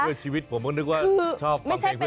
เพื่อชีวิตผมก็นึกว่าชอบฟังเพลงเพื่อชีวิต